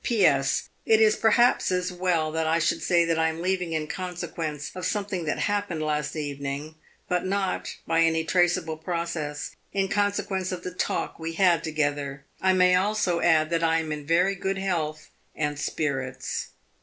"P.S. It is perhaps as well that I should say that I am leaving in consequence of something that happened last evening, but not by any traceable process in consequence of the talk we had together. I may also add that I am in very good health and spirits."